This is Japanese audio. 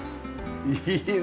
いいね。